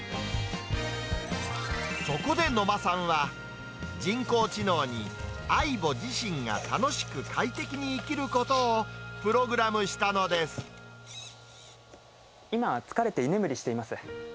そこで野間さんは、人工知能にＡＩＢＯ自身が楽しく快適に生きることをプログラムし今、疲れて居眠りしています。